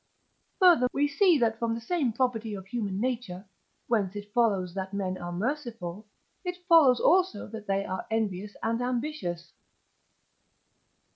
Further, we see that from the same property of human nature, whence it follows that men are merciful, it follows also that they are envious and ambitious.